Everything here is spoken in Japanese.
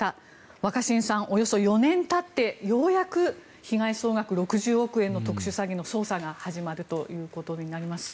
若新さん、およそ４年たってようやく被害総額６０億円の特殊詐欺の捜査が始まるということになります。